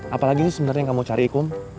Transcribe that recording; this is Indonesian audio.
apalagi itu sebenarnya yang kamu cari kum